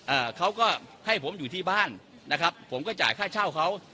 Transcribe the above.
อ่าเขาก็ให้ผมอยู่ที่บ้านนะครับผมก็จ่ายค่าเช่าเขา